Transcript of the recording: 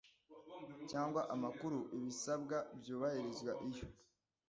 cyangwa amakuru ibisabwa byubahirizwa iyo